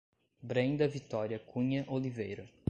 Brenda Vitoria Cunha Oliveira